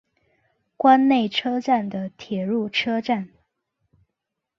关内车站的铁路车站。